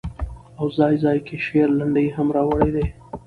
او ځاى ځاى کې شعر، لنډۍ هم را وړي دي